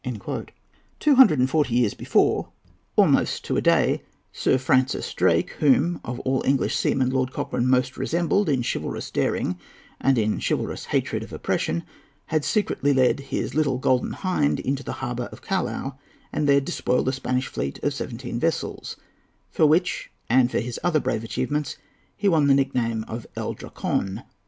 Two hundred and forty years before, almost to a day, Sir Francis Drake—whom, of all English seamen, Lord Cochrane most resembled in chivalrous daring and in chivalrous hatred of oppression—had secretly led his little Golden Hind into the harbour of Callao, and there despoiled a Spanish fleet of seventeen vessels; for which and for his other brave achievements he won the nickname of El Dracone.